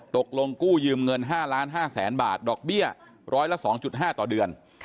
ตกลงกู้ยืมเงิน๕๕๐๐๐๐๐บาทดอกเบี้ย๑๐๒๕ต่อเดือน